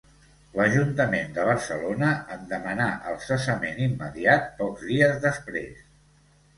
L'Ajuntament de Barcelona en demanà el cessament immediat pocs dies després.